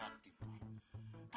kalau kita nabrak dulu ya